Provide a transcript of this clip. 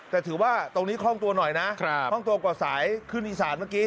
แต่ถือว่าตรงนี้คล่องตัวหน่อยนะคล่องตัวกว่าสายขึ้นอีสานเมื่อกี้